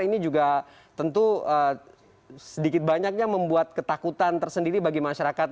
ini juga tentu sedikit banyaknya membuat ketakutan tersendiri bagi masyarakat